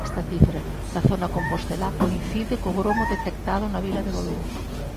Esta cifra da zona compostelá coincide co gromo detectado na vila de Boiro.